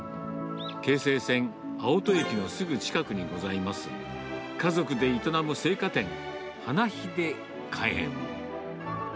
京成線青砥駅のすぐ近くにございます、家族で営む生花店、ハナヒデ花園。